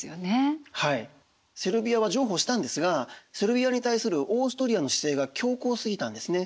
セルビアは譲歩したんですがセルビアに対するオーストリアの姿勢が強硬すぎたんですね。